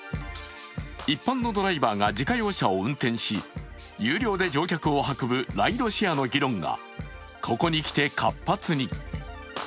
一般のドライバーが自家用車を運転し、有料で乗客を運ぶライドシェアの議論が、ここに来て活発に。